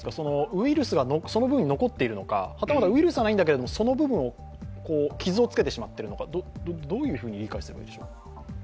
ウイルスがその分、残っているのかはたまたウイルスはないんだけれども、その部分を傷をつけてしまっているのかどういうふうに理解すればいいんでしょう？